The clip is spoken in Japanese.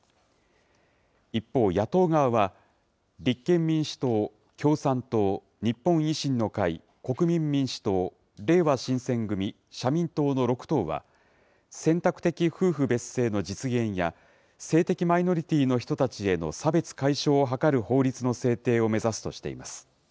一方、野党側は、立憲民主党、共産党、日本維新の会、国民民主党、れいわ新選組、社民党の６党は、選択的夫婦別姓の実現や、性的マイノリティーの人たちへの差別解消を図る法律の制定を目指すしています。